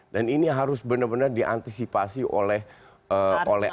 dan ini harus benar benar diantisipasi oleh